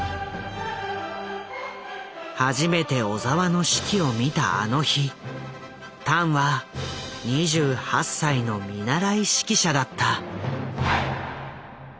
初めて小澤の指揮を見たあの日タンは２８歳の見習い指揮者だった。